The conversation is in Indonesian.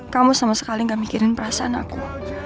kamu sama sekali gak mikirin perasaan aku